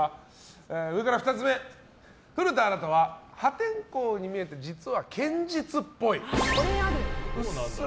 古田新太は破天荒に見えて実は堅実っぽい。